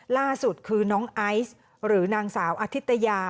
ล่าสุดคือน้องไอซ์หรือนางสาวอธิตยา